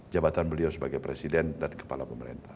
jabatan beliau sebagai presiden dan kepala pemerintah